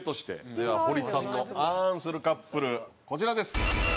では堀さんの「あん」するカップルこちらです。